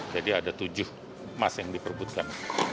jadi ada tujuh mas yang diperbutkan